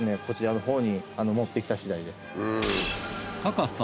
こちらのほうに持ってきたしだいです。